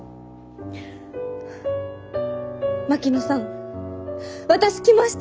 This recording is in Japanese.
槙野さん私来ました！